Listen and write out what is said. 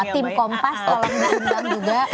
tim kompas tolong diundang juga